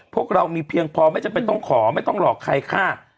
พวกเรามีเพียงพอไม่จำเป็นต้องขอไม่ต้องหลอกใครค่ะ